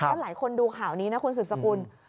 ก็หลายคนดูข่าวนี้นะคุณสุดสกุล